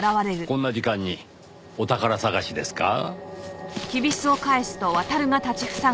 おやこんな時間にお宝探しですか？